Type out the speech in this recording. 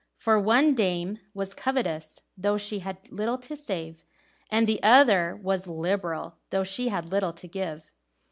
For one dame was covetous, though she had little to save, and the other was liberal, though she had little to give.